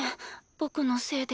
僕のせいで。